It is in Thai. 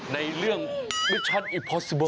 ในเรื่องวิชันอิพฟอสซิบล์